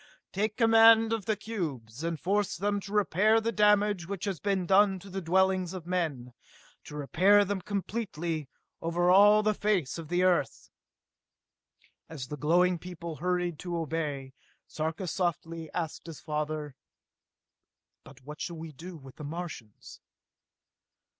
"Take command of the cubes, and force them to repair the damage which has been done to the dwellings of men to repair them completely, over all the face of the Earth!" As the glowing people hurried to obey, Sarka softly asked his father: "But what shall we do with the Martians?"